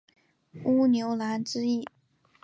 乌牛栏之役。